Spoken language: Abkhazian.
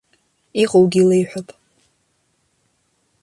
Иҟоугьы леиҳәап.